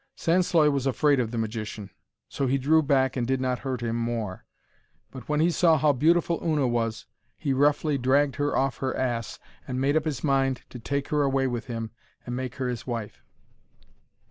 Sansloy was afraid of the magician, so he drew back and did not hurt him more. But when he saw how beautiful Una was, he roughly dragged her off her ass, and made up his mind to take her away with him and make her his wife.